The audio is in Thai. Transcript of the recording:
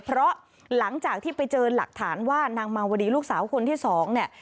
เพราะหลังจากที่ไปเจอหลักฐานว่านางมาวดีลูกสาวคนที่สองเนี่ย